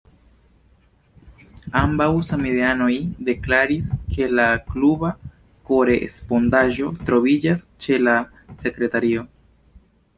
Ambaŭ samideanoj deklaris, ke la kluba kore-spondaĵo troviĝas ĉe la sekretario.